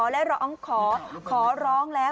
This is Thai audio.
และร้องขอขอร้องแล้ว